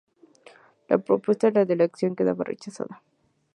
La propuesta de la dirección quedaba rechazada.